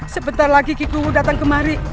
sebentar lagi kikuu datang kemari